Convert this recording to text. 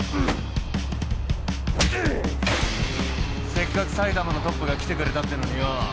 せっかく埼玉のトップが来てくれたってのによ